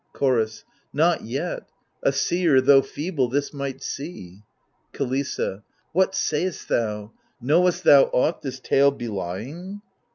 Chorus Not yet — a seer, though feeble, this might see. KiLISSA What say'st thou? Know'st thou aught, this talc belying